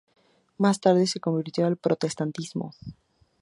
Más tarde se convirtió al protestantismo.